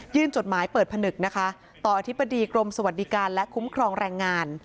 จดหมายเปิดผนึกนะคะต่ออธิบดีกรมสวัสดิการและคุ้มครองแรงงาน